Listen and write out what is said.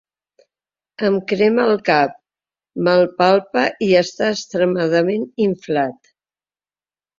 Em crema el cap, me’l palpa i està extremadament inflat.